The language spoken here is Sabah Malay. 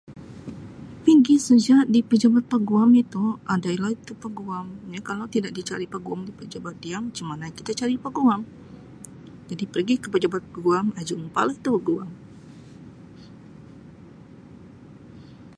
Pigi saja di pejabat peguam itu adalah itu peguam [unintelligible] kalau tidak dicari peguam di pejabat dia macam mana kita cari peguam jadi pergi ke pejabat peguam jumpa la tu peguam.